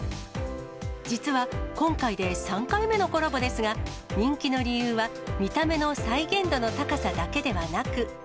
実は、今回で３回目のコラボですが、人気の理由は、見た目の再現度の高さだけではなく。